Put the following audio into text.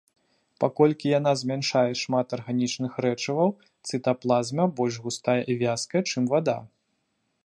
Паколькі яна змяшчае шмат арганічных рэчываў, цытаплазма больш густая і вязкая, чым вада.